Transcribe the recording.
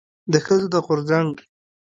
د ښځو د غورځنګ